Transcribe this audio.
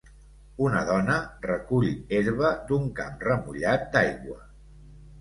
Una dona recull herba d'un camp remullat d'aigua